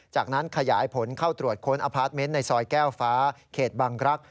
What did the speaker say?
จากนั้นขยายผลเข้าตรวจค้นอพาร์ทเมนต์ในซอยแก้วฟ้าเขตบังรักษ